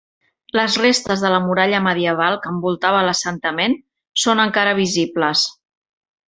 Les restes de la muralla medieval que envoltava l'assentament són encara visibles.